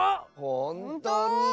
ほんとに？